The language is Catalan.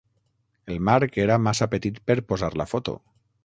El marc era massa petit per posar la foto.